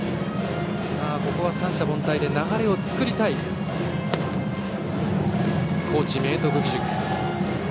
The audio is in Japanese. ここは三者凡退で流れを作りたい高知・明徳義塾。